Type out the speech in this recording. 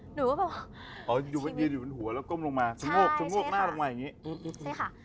หนูก็บอกอ๋อยืนอยู่บนหัวแล้วก้มลงมาใช่ใช่ค่ะหนูกลงมาอย่างงี้ใช่ค่ะ